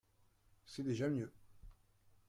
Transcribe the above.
C’est déjà mieux